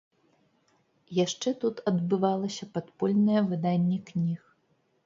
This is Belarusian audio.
Яшчэ тут адбывалася падпольнае выданне кніг.